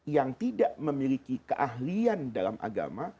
yang tidak memiliki keahlian dalam agama